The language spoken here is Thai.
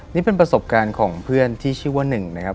นี่เป็นประสบการณ์ของเพื่อนที่ชื่อว่าหนึ่งนะครับ